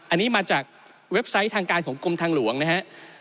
อันนี้มาจากเว็บไซต์ทางการของกรมทางหลวงนะครับ